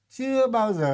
chưa bao giờ